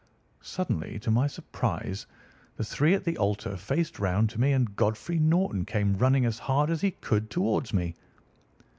Suddenly, to my surprise, the three at the altar faced round to me, and Godfrey Norton came running as hard as he could towards me.